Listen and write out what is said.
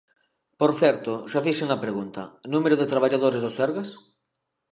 Por certo, xa fixen a pregunta: ¿número de traballadores do Sergas?